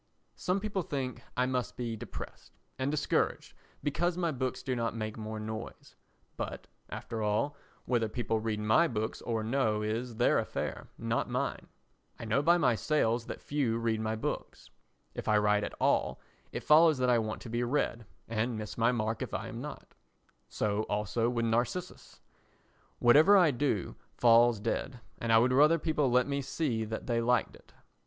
Some people think I must be depressed and discouraged because my books do not make more noise; but, after all, whether people read my books or no is their affair, not mine. I know by my sales that few read my books. If I write at all, it follows that I want to be read and miss my mark if I am not. So also with Narcissus. Whatever I do falls dead, and I would rather people let me see that they liked it.